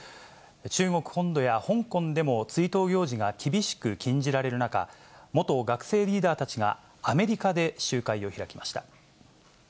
中国本土や香港でも追悼行事が厳しく禁じられる中、元学生リーダーたちが、アメリカで集会を開きました。